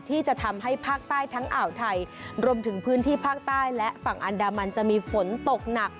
ที่จะทำให้ภาคใต้ทั้งอ่าวไทยรวมถึงพื้นที่ภาคใต้และฝั่งอันดามันจะมีฝนตกหนัก